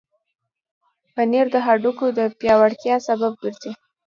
پنېر د هډوکو د پیاوړتیا سبب ګرځي.